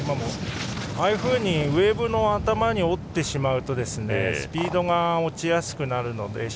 ウエーブの頭に折ってしまうとスピードが落ちやすくなるので。